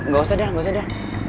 gak usah dah nggak usah dah